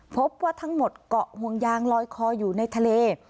พบว่าทั้งหมดเกาะห่วงยางลอยคออยู่ในทะเล